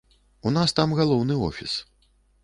У нас там галоўны офіс.